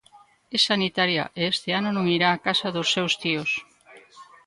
É sanitaria e este ano non irá á casa dos seus tíos.